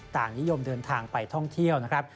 ต่างนิยมเดินทางไปท่องเที่ยวนะครับ